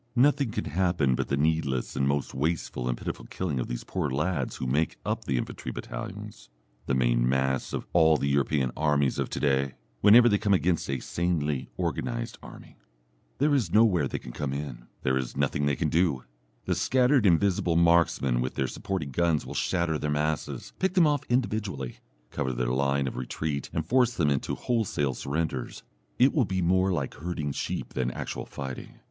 Nothing can happen but the needless and most wasteful and pitiful killing of these poor lads, who make up the infantry battalions, the main mass of all the European armies of to day, whenever they come against a sanely organized army. There is nowhere they can come in, there is nothing they can do. The scattered invisible marksmen with their supporting guns will shatter their masses, pick them off individually, cover their line of retreat and force them into wholesale surrenders. It will be more like herding sheep than actual fighting.